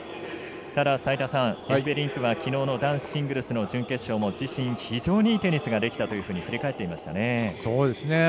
エフベリンクはきのうの男子シングルスも自身非常にいいテニスができたと振り返っていましたね。